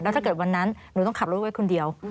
ถ้าเกิดวันนั้นหนูต้องขับรถไว้คนเดียว